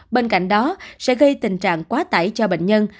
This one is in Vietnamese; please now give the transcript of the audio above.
bên cạnh đó sẽ gây tình trạng quá tải cho bệnh nhân